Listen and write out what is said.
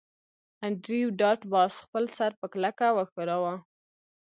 انډریو ډاټ باس خپل سر په کلکه وښوراوه